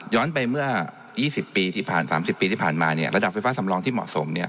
ไปเมื่อ๒๐ปีที่ผ่าน๓๐ปีที่ผ่านมาเนี่ยระดับไฟฟ้าสำรองที่เหมาะสมเนี่ย